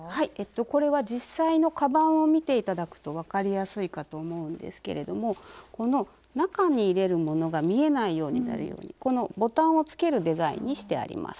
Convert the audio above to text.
これは実際のかばんを見て頂くと分かりやすいかと思うんですけれどもこの中に入れるものが見えないようになるようにボタンをつけるデザインにしてあります。